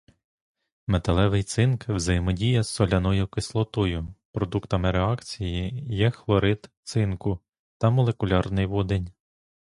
Металевий цинк взаємодіє з соляною кислотою, продуктами реакції є хлорид цинку та молекулярний водень.